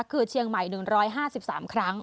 คือเชียงใหม่๑๕๓ครั้ง